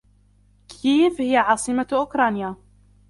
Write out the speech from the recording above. كييف هي عاصمة أوكرانيا.